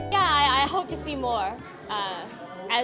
ya saya berharap bisa melihat lebih banyak